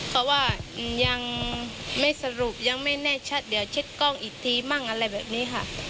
เพราะว่ายังไม่สรุปยังไม่แน่ชัดเดี๋ยวเช็ดกล้องอีกทีมั่งอะไรแบบนี้ค่ะ